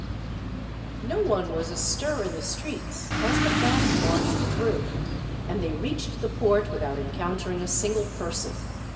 No one was astir in the streets as the band marched through, and they reached the port without encountering a single person.